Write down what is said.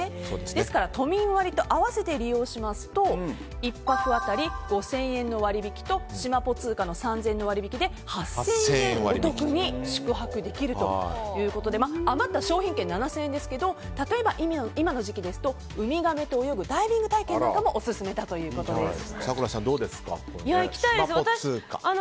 ですから都民割と併せて利用しますと１泊当たり５０００円の割引としまぽ通貨の３０００円の割引で８０００円お得に宿泊できるということで余った商品券７０００円ですけど例えば今の時期ですとウミガメと泳ぐダイビング体験などもオススメだということです。